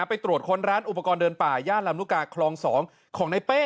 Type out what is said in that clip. ไปตรวจค้นร้านอุปกรณ์เดินป่าย่านลำลูกกาคลอง๒ของในเป้